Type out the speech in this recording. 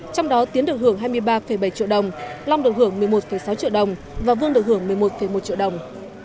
trong đó tiến được hưởng hai mươi ba bảy triệu đồng long được hưởng một mươi một sáu triệu đồng và vương được hưởng một mươi một một triệu đồng